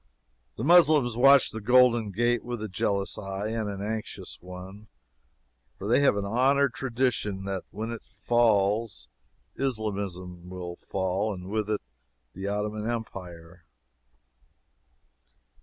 The Moslems watch the Golden Gate with a jealous eye, and an anxious one, for they have an honored tradition that when it falls, Islamism will fall and with it the Ottoman Empire.